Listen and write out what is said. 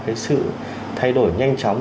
cái sự thay đổi nhanh chóng